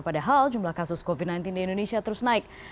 padahal jumlah kasus covid sembilan belas di indonesia terus naik